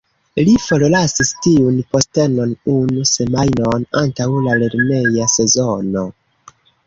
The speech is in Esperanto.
Li forlasis tiun postenon, unu semajnon antaŭ la lerneja sezono.